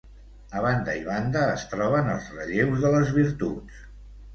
A banda i banda es troben els relleus de les Virtuts.